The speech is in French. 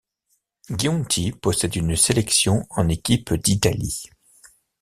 Giunti possède une sélection en équipe d'Italie.